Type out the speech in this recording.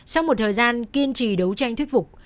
sau một thời gian kiên trì đấu tranh thuyết phục